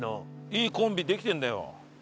いいコンビできてんだよ。